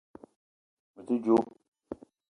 Me te djo